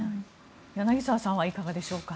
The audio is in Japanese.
柳澤さんはいかがでしょうか？